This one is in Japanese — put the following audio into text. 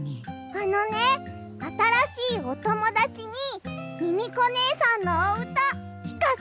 あのねあたらしいおともだちにミミコねえさんのおうたきかせてあげたいんだ。